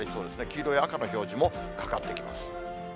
黄色や赤の表示もかかってきます。